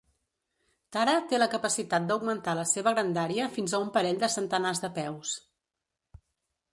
Tara té la capacitat d'augmentar la seva grandària fins a un parell de centenars de peus.